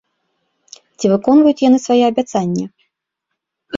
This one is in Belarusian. Ці выконваюць яны сваё абяцанне?